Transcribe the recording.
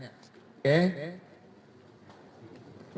ada yang mau bertanya